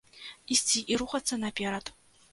Ісці і рухацца наперад.